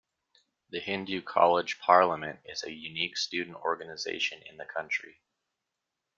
The Hindu College Parliament is a unique student organisation in the country.